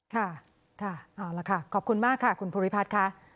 ค่ะค่ะเอาละค่ะขอบคุณมากค่ะคุณภูริพัฒน์ค่ะ